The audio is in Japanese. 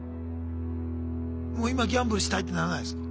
もう今ギャンブルしたいってならないですか？